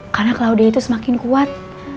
karena claudia itu semakin kuat